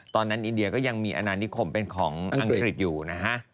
อินเดียก็ยังมีอนานิคมเป็นของอังกฤษอยู่นะฮะ